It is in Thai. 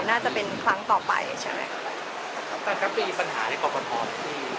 มันก็จะเป็นครั้งต่อไปใช่ไหม